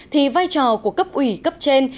thì vai trò của cấp ủy cấp trên